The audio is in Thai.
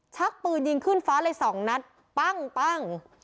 ชักปืนยิงขึ้นฟ้าเลยสองนัดปั้ง